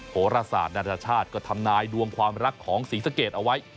โหรศาสตร์นานาชาติก็ทำนายดวงความรักของศรีสะเกดเอาไว้